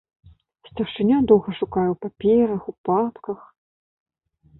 Старшыня доўга шукае ў паперах, у папках.